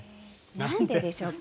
なんででしょうか。